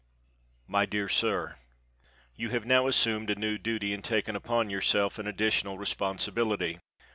_ MY DEAR SIR: You have now assumed a new duty and taken upon yourself an additional responsibility.